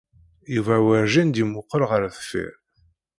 Yuba werjin d-yemmuqqel ɣer deffir.